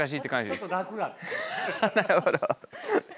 なるほど。